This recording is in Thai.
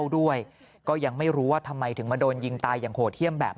ด้วยก็ยังไม่รู้ว่าทำไมถึงมาโดนยิงตายอย่างโหดเยี่ยมแบบ